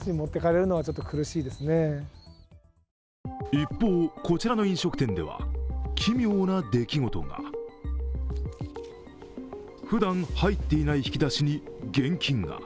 一方、こちらの飲食店では奇妙な出来事がふだん入っていない引き出しに現金が。